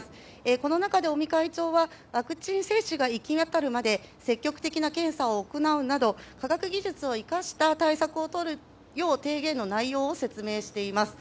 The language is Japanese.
この中で尾身会長はワクチン接種が行きわたるまで積極的な検査を行うなど科学技術を生かした対策をとるよう提言の内容を説明しています。